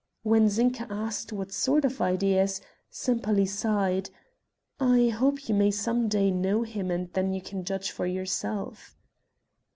When Zinka asked what sort of ideas, Sempaly sighed: "I hope you may some day know him and then you can judge for yourself."